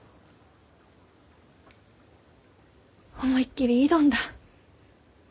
思いっきり挑んだ。